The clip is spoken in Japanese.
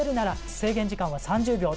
制限時間は３０秒えっ⁉